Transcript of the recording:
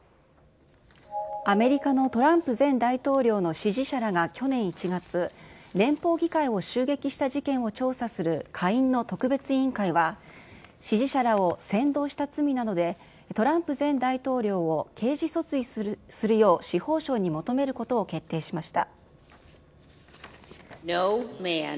アメリカのトランプ前大統領の支持者らが去年１月、連邦議会を襲撃した事件を調査する下院の特別委員会は、支持者らを扇動した罪などでトランプ前大統領を刑事訴追するよう、司法省に求めることを決定しました。